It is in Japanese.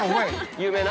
◆有名な？